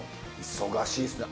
忙しいですね。